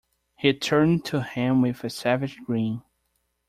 He turned to him with a savage grin.